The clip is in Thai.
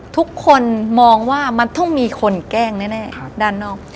ทุกคนมองว่ามันต้องมีคนแกล้งแน่ด้านนอก